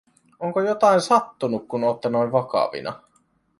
“Onko jotain sattunu, kun ootte noin vakavina?”